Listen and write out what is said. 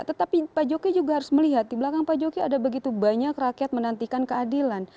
tetapi pak jokowi juga harus melihat di belakang pak jokowi ada begitu banyak rakyat menantikan keadilan